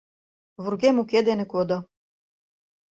Вургем уке дене кодо.